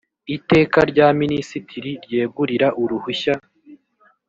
iteka rya minisitiri ryegurira uruhushya